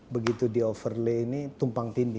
begitu di overlay ini tumpang tindih